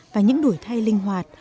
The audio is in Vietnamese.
và những đổi thay linh hoạt